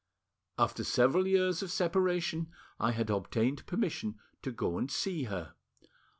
After several years of separation, I had obtained permission to go and see her.